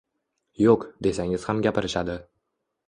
“Yo‘q”, desangiz ham gapirishadi.